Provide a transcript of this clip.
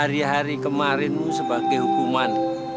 hari hari kemarin sebagai hukuman